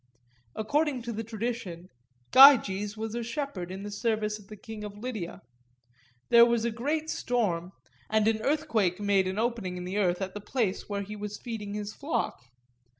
According to the tradition, Gyges was a shepherd in the service of the king of Lydia; there was a great storm, and an earthquake made an opening in the earth at the place where he was feeding his flock.